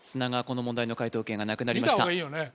この問題の解答権がなくなりました